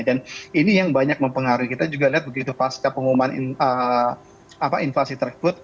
dan ini yang banyak mempengaruhi kita juga lihat begitu pasca pengumuman inflasi tersebut